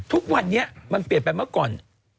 ทุกวันนี้มันเปลี่ยนไปเมื่อก่อน